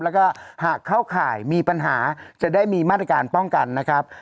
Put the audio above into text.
แล้วก็หากเข้าข่ายมีปัญหาจะได้มีมาตรการป้องกันนะครับ